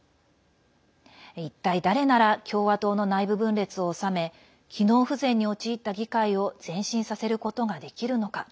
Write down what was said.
一体、誰なら共和党の内部分裂をおさめ機能不全に陥った議会を前進させることができるのか。